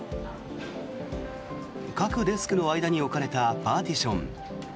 各デスクの間に置かれたパーティション。